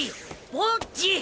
ボッジ！